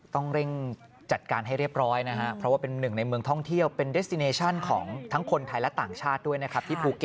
ต้องเร่งจัดการให้เรียบร้อยนะคะ